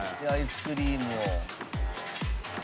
「アイスクリームを」